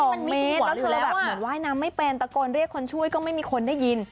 มันมิดแล้วเธอเลยแบบเหมือนว่ายน้ำไม่เป็นตะโกนเรียกคนช่วยก็ไม่มีคนได้ยิน